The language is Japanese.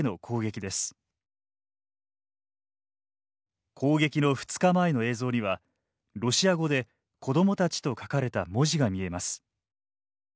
攻撃の２日前の映像にはロシア語で「子どもたち」と書かれた文字が見えます。